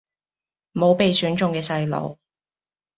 無被選中嘅細路